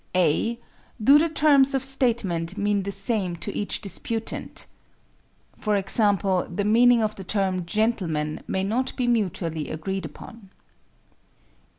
_ (a) Do the terms of statement mean the same to each disputant? (For example, the meaning of the term "gentleman" may not be mutually agreed upon.)